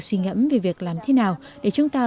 suy ngẫm về việc làm thế nào để chúng ta